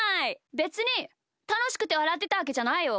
べつにたのしくてわらってたわけじゃないよ。